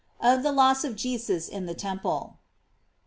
OF THE LOSS OF JESUS IN THE TEMPLE.